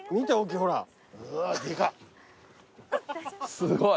すごい。